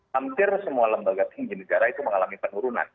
hampir semua lembaga tinggi negara itu mengalami penurunan